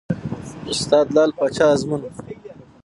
استاد : لعل پاچا ازمون